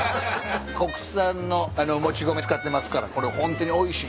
国産のもち米使ってますからこれホントにおいしいですよ。